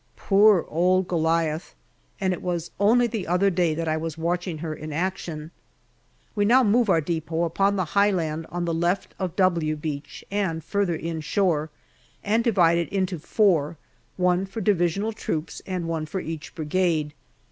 Poor old Goliath \ and it was only the other day that I was watching her in action. We now move our depot upon the high land on the left of " W " Beach and further inshore, and divide it into four, one for Divisional troops and one for each Brigade.